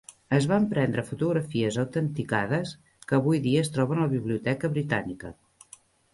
Es van prendre fotografies autenticades, que avui dia es troben a la Biblioteca Britànica.